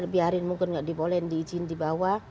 biarin mungkin gak di bolehin di izin dibawa